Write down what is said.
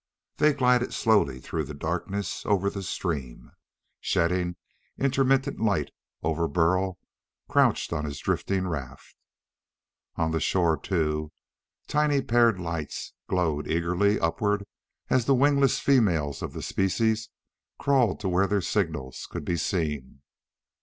They glided slowly through the darkness over the stream, shedding intermittent light over Burl crouched on his drifting raft. On the shore, too, tiny paired lights glowed eagerly upward as the wingless females of the species crawled to where their signals could be seen.